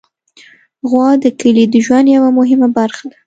غوا د کلي د ژوند یوه مهمه برخه ده.